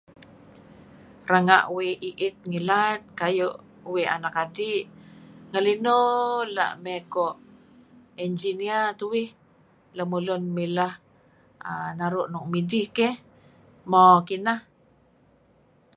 Ra'ngah uih i'it ngilad kayuh uih anak adih..nga'linuh... alah may kuh engineer tu'uih lamulun milah aah naruh nuk midih keh..moq kinah.